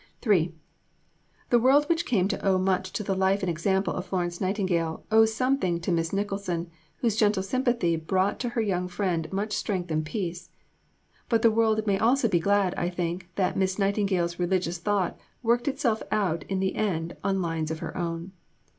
III The world which came to owe much to the life and example of Florence Nightingale, owes something to Miss Nicholson, whose gentle sympathy brought to her young friend much strength and peace. But the world may also be glad, I think, that Miss Nightingale's religious thought worked itself out in the end on lines of her own.